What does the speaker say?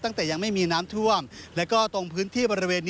ตั้งแต่ยังไม่มีน้ำท่วมแล้วก็ตรงพื้นที่บริเวณนี้